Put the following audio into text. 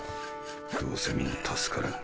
どうせもう助からん。